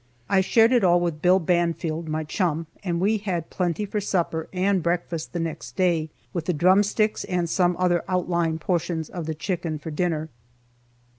I shared it all with Bill Banfield (my chum), and we had plenty for supper and breakfast the next day, with the drum sticks and some other outlying portions of the chicken for dinner.